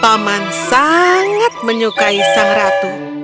paman sangat menyukai sang ratu